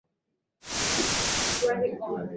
shimo hili lenye urefu wa futi miatatu lilipoteza